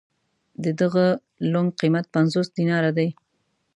د دغه لنګ قېمت پنځوس دیناره دی.